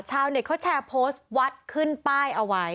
ชาวเน็ตเขาแชร์โพสต์วัดขึ้นป้ายเอาไว้